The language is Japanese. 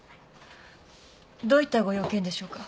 どういったご用件でしょうか？